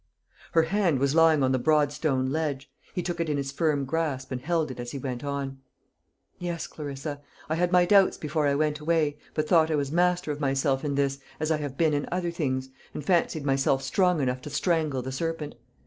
Her hand was lying on the broad stone ledge. He took it in his firm grasp, and held it as he went on: "Yes, Clarissa; I had my doubts before I went away, but thought I was master of myself in this, as I have been in other things, and fancied myself strong enough to strangle the serpent.